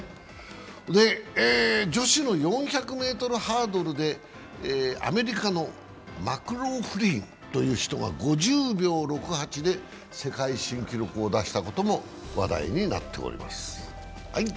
女子の４００ｍハードルでアメリカのマクローフリンという人が５０秒６８で世界新記録を出したことも話題になっております。